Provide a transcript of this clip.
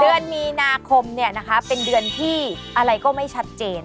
เดือนมีนาคมเป็นเดือนที่อะไรก็ไม่ชัดเจน